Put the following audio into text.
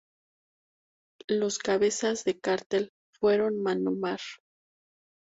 Los cabezas de cartel fueron Manowar.